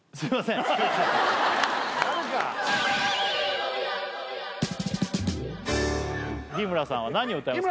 ダメか日村さんは何を歌いますか？